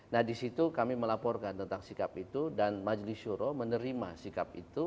nah di situ kami melaporkan tentang sikap itu dan majlis syuroh menerima sikap itu